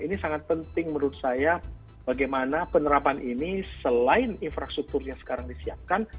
ini sangat penting menurut saya bagaimana penerapan ini selain infrastruktur yang sekarang disiapkan